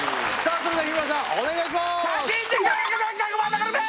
それでは日村さんお願いします！